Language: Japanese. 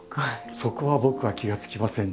そこは僕は気が付きませんでした。